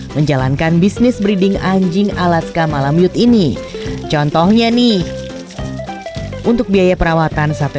menjalankan bisnis breeding anjing alaska malam yute ini contohnya nih untuk biaya perawatan sampai